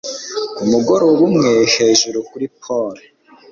Ku mugoroba umwe hejuru kuri pole